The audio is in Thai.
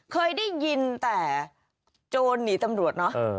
เคยได้ยินแต่โจรหนีตำรวจเนอะ